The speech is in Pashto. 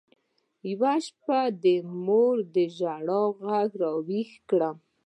يوه شپه د مور د ژړا ږغ راويښ کړم.